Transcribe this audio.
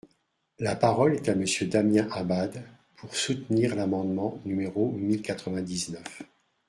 La parole est à Monsieur Damien Abad, pour soutenir l’amendement numéro mille quatre-vingt-dix-neuf.